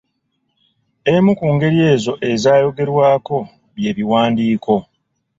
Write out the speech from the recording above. Emu ku ngeri ezo ezaayogerwako byebiwandiiko.